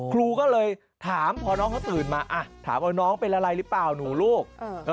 ครูก็เลยถามพอน้องเขาตื่นมาถามว่าน้องเป็นอะไรหรือเปล่าหนูลูก